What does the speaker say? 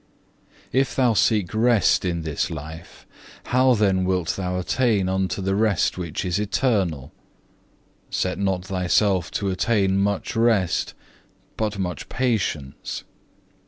2. "If thou seek rest in this life, how then wilt thou attain unto the rest which is eternal? Set not thyself to attain much rest, but much patience.